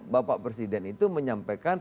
bapak presiden itu menyampaikan